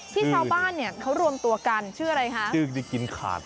ที่ชาวบ้านเค้ารวมตัวกันชื่ออะไรนะคะ